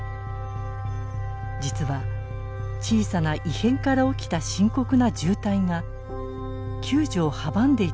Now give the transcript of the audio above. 実は小さな異変から起きた深刻な渋滞が救助を阻んでいた事が分かってきたのです。